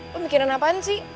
lo mikirin apaan sih